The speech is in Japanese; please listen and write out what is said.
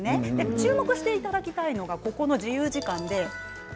注目していただきたいのが自由時間です。